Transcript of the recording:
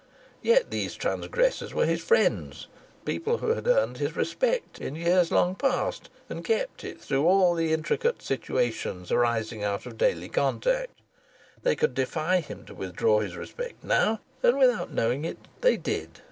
Yet these transgressors were his friends, people who had earned his respect in years long past and kept it through all the intricate situations arising out of daily contact. They could defy him to withdraw his respect now; and, without knowing it, they did.